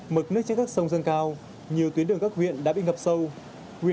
mực nước trên các sông dâng cao nhiều tuyến đường các huyện đã bị ngập sâu